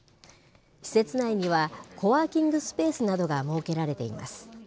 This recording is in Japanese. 施設内には、コワーキングスペースなどが設けられています。